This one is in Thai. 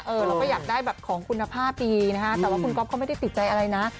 เราก็อยากได้แบบของคุณภาพดีนะฮะแต่ว่าคุณก๊อฟเขาไม่ได้ติดใจอะไรนะ